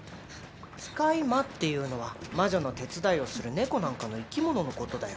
「使い魔」っていうのは魔女の手伝いをするネコなんかの生き物のことだよ。